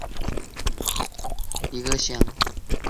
瀼河乡是中国河南省平顶山市鲁山县下辖的一个乡。